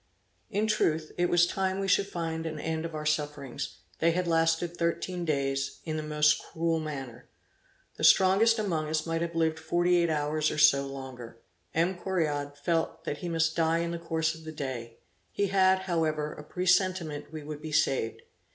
In truth, it was time we should find an end of our sufferings; they had lasted thirteen days, in the most cruel manner. The strongest among us might have lived forty eight hours or so, longer. M. Correard felt that he must die in the course of the day; he had, however a presentiment we would be saved.